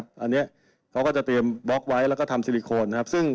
พวกเขาจะเตรียมบล็อกไว้แล้วทำสิลิโคน